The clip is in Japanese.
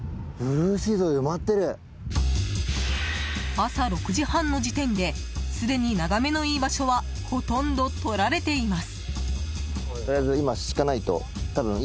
朝６時半の時点で、すでに眺めのいい場所はほとんど、取られています。